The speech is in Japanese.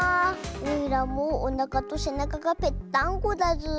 おいらもおなかとせなかがぺっタンゴだズー。